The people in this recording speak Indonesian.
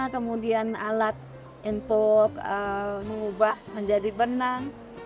kemudian alat untuk mengubah menjadi benang